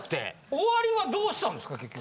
終わりはどうしたんですか結局。